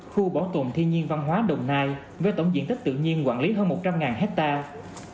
khu bảo tồn thiên nhiên văn hóa đồng nai với tổng diện tích tự nhiên quản lý hơn một trăm linh hectare